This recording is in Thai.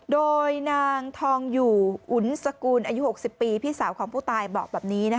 โดยนางทองอยู่อุ๋นสกูลอายุ๖๐ปีพี่สาวของผู้ตายบอกแบบนี้